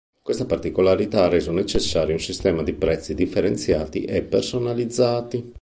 Questa particolarità ha reso necessario un sistema di prezzi differenziati e personalizzati.